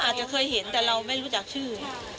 อาจจะเคยเห็นแต่เราไม่รู้จักชื่อ